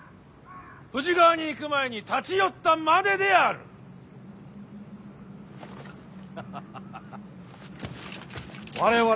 富士川に行く前に立ち寄ったまでである！